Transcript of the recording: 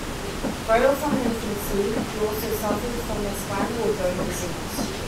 Frail from infancy, he also suffered from a spinal or bone disease.